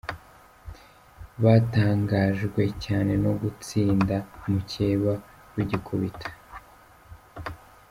Batangajwe cyane no gutsinda mukeba rugikubita.